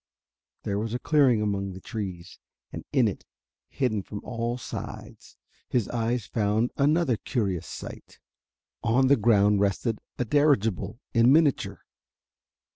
There was a clearing among the trees. And in it, hidden from all sides, his eyes found another curious sight. On the ground rested a dirigible in miniature.